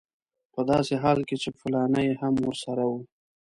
په داسې حال کې چې فلانی هم ورسره و.